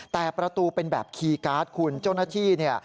แต่ประตูเป็นแบบคีย์การ์ดคุณเจ้าหน้าที่เนี่ย